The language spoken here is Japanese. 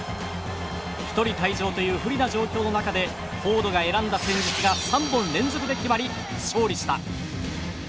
１人退場という不利な状況の中でフォードが選んだ戦術が３本連続で決まり、勝利した。